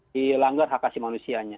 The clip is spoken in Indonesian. dilanggar hak asli manusianya